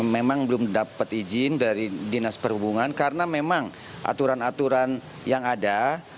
memang belum dapat izin dari dinas perhubungan karena memang aturan aturan yang ada